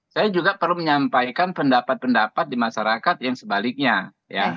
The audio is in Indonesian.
saya juga perlu menyampaikan pendapat pendapat di masyarakat yang sebaliknya ya